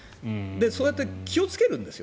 そうやって気をつけるんですよ。